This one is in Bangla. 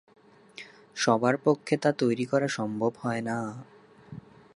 সবার পক্ষে তা তৈরি করা সম্ভব হয়না।